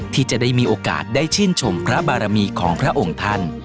ที่จะได้มีโอกาสได้ชื่นชมพระบารมีของพระองค์ท่าน